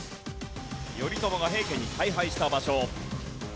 頼朝が平家に大敗した場所。